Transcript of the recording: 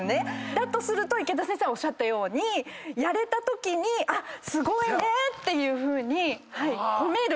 だとすると池田先生おっしゃったようにやれたときにすごいねっていうふうに褒める。